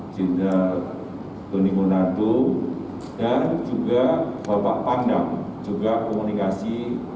jenderal tony monato dan juga bapak pangdam juga komunikasi